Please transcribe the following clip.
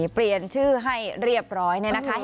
เปลี่ยนชื่อให้เรียบร้อย